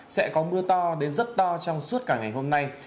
sẽ có mưa to đến rất to trong suốt cả ngày hôm nay